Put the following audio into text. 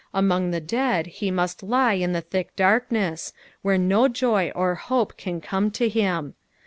Among the dead he must 1m in the thick darkness, where no joy or hope can come to him.